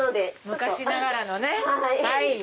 昔ながらのね。